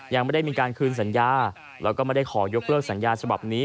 ยังไม่ได้มีการคืนสัญญาแล้วก็ไม่ได้ขอยกเลิกสัญญาฉบับนี้